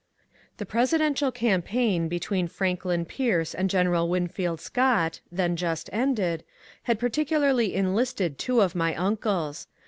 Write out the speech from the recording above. The presidential campaign between Franklin Pierce and General Winfield Scott — then just ended — had particularly enlisted two of my uncles.